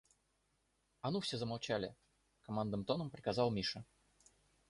«А ну все замолчали!» — командным тоном приказал Миша.